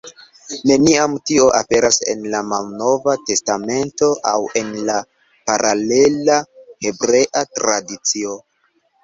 Neniam tio aperas en la Malnova Testamento aŭ en la paralela hebrea tradicio.